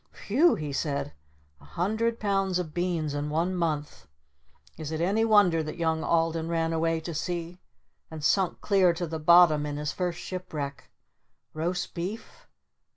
"W hew!" he said. "A hundred pounds of beans in one month? Is it any wonder that young Alden ran away to sea and sunk clear to the bottom in his first shipwreck? 'Roast Beef'?